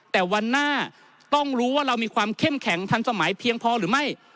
แต่วันหน้าต้องรู้ว่าเรามีความเข้มแข็งทันสมัยเพียงพอหรือไม่